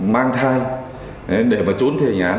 mang thai để mà trốn thi hành án